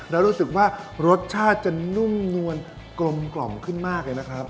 แล้วรู้สึกว่ารสชาติจะนุ่มนวลกลมกล่อมขึ้นมากเลยนะครับ